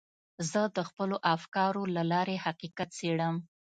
زه د خپلو افکارو له لارې حقیقت څېړم.